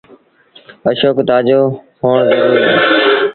اشوڪ تآجو هوڻ زروريٚ اهي